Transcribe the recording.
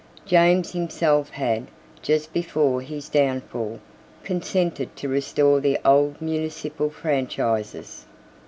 James himself had, just before his downfall, consented to restore the old municipal franchises.